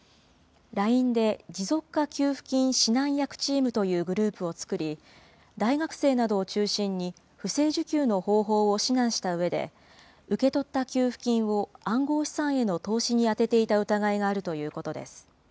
ＬＩＮＥで持続化給付金指南役チームというグループを作り、大学生などを中心に不正受給の方法を指南したうえで、受け取った給付金を暗号資産への投資に充てていた疑いがあるということです。